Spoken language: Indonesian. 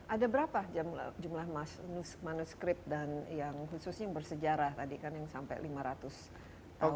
ada berapa jumlah manuskrip dan yang khususnya yang bersejarah tadi kan yang sampai lima ratus tahun